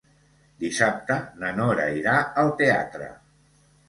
Dissabte na Nora irà al teatre.